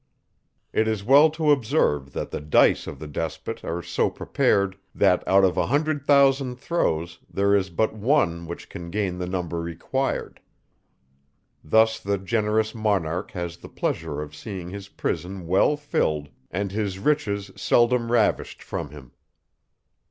_ It is well to observe, that the dice of the despot are so prepared, that out of a hundred thousand throws, there is but one, which can gain the number required. Thus the generous monarch has the pleasure of seeing his prison well filled, and his riches seldom ravished from him.